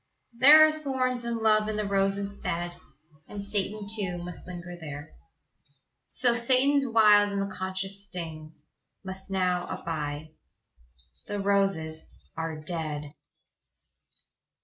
There are thorns and love in the roses' bed, And Satan too Must linger there; So Satan's wiles and the conscience stings, Must now abide the roses are dead.